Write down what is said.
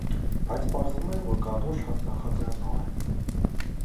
Բայց պարզվում է, որ կատուն շատ նախաձեռնող է։